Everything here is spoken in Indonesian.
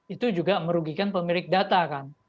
itu juga merugikan pemilik data kan